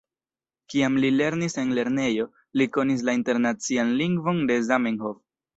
Kiam li lernis en lernejo, li konis la internacian lingvon de Zamenhof.